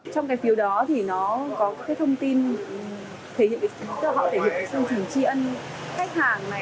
trong cái phiếu đó thì nó có cái thông tin họ thể hiện cái thông tin tri ân khách hàng này